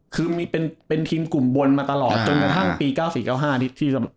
คือเป็นทีมกลุ่มบนมาตลอดจนกระทั่งปี๙๐๙๕ที่สำเร็จทีม